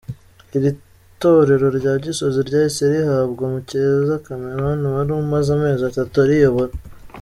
Iri torero rya Gisozi ryahise rihabwa Mukeza Cameron wari umaze amezi atatu ariyobora.